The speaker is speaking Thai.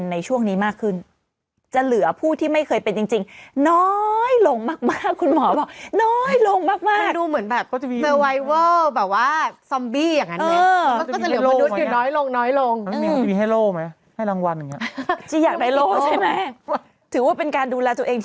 มันก็จะเหลือมนุษย์จะน้อยลง